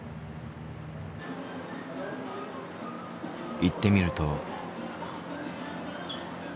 行ってみると。